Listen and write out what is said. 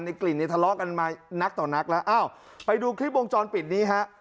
กลิ่นเนี่ยทะเลาะกันมานักต่อนักแล้วอ้าวไปดูคลิปวงจรปิดนี้ฮะ